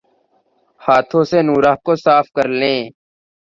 ہاتھوں سے نورہ کو صاف کرلیں